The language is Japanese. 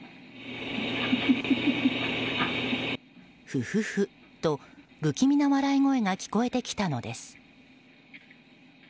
フフフと不気味な笑い声が聞こえてきたのです。